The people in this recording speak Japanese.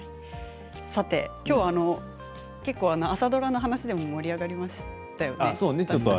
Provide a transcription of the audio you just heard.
さて、きょうは結構、朝ドラの話でも盛り上がりましたね。